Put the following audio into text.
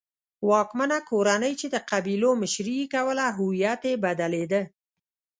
واکمنه کورنۍ چې د قبیلو مشري یې کوله هویت یې بدلېده.